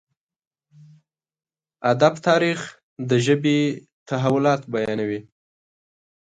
ادب تاريخ د ژبې تحولات بيانوي.